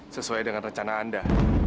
sesuai dengan rencana anda